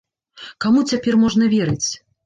Каму цяпер можна верыць?